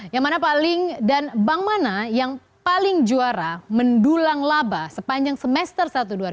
yang mana paling dan bank mana yang paling juara mendulang laba sepanjang semester satu dua ribu dua puluh